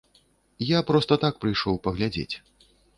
Я проста так прыйшоў паглядзець.